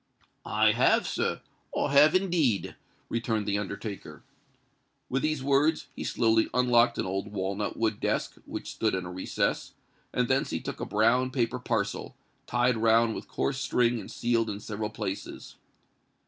"I have, sir—I have indeed," returned the undertaker. With these words, he slowly unlocked an old walnut wood desk, which stood in a recess; and thence he took a brown paper parcel, tied round with coarse string and sealed in several places.